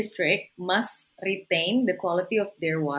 mereka harus mengembangkan kualitas air mereka